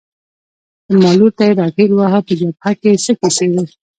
زما لور ته یې را ټېل واهه، په جبهه کې څه کیسې وې؟